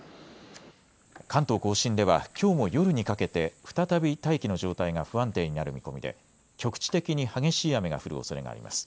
関東甲信ではきょうも夜にかけて再び大気の状態が不安定になる見込みで局地的に激しい雨が降るおそれがあります。